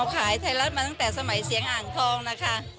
ขายไทยรัฐมาตั้งแต่สมัยเสียงอ่างทองนะคะ